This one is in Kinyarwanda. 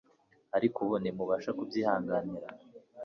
ariko ubu ntimubasha kubyihanganira.'"